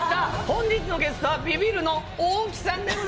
本日のゲストはビビる大木さんです！